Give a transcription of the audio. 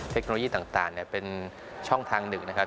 เทคโนโลยีต่างเป็นช่องทางหนึ่งนะครับ